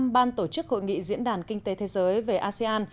ban tổ chức hội nghị diễn đàn kinh tế thế giới về asean